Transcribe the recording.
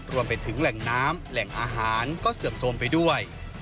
รวมไปถึงแหล่งน้ำแหล่งอาหารก็เสื่อมโทรมไปด้วย